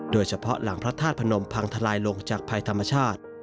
โดยเฉพาะหลังพระธาตุพนมพังทลายลงจากภัยธรรมชาติ